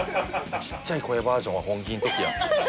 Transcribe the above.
ちっちゃい声バージョンは本気の時や。